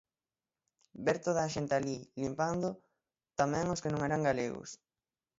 Ver toda a xente alí, limpando, tamén os que non eran galegos.